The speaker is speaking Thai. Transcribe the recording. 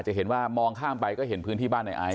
จะเห็นว่ามองข้ามไปก็เห็นพื้นที่บ้านในไอซ